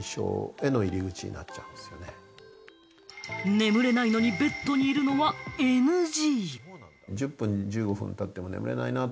眠れないのにベッドにいるのはＮＧ！